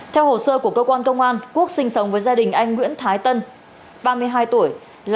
theo hồ sơ của cơ quan công an quốc sinh sống với gia đình anh nguyễn thái tân ba mươi hai tuổi